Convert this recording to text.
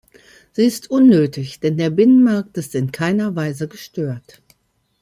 Sie ist unnötig, denn der Binnenmarkt ist in keiner Weise gestört.